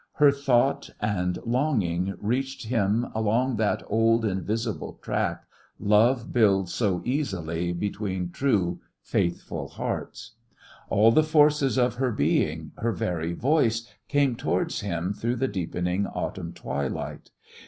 Her thought and longing reached him along that old, invisible track love builds so easily between true, faithful hearts. All the forces of her being, her very voice, came towards him through the deepening autumn twilight.